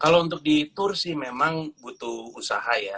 kalau untuk di tour sih memang butuh usaha ya